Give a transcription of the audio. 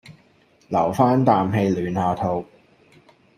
留返啖氣暖下肚